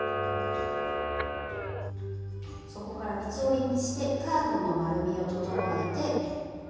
そこから三つ折りにしてカーブの丸みを整えて。